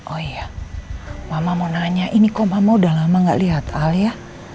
oh iya mama mau nanya ini kok mama udah lama gak lihat al ya